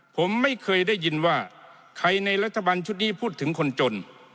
ผมไม่เคยได้ยินว่าใครในรัฐบาลชุดนี้พูดถึงคนจน